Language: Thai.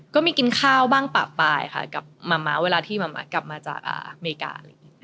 ก็มีกินข้าวบ้างปากปายค่ะเวลาที่มามากลับมาจากอเมริกา